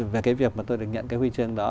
về cái việc mà tôi được nhận cái huy chương đó